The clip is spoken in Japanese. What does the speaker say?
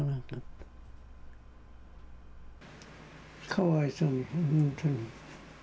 かわいそうに、本当に。